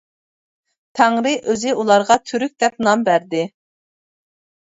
تەڭرى ئۆزى ئۇلارغا «تۈرك» دەپ نام بەردى.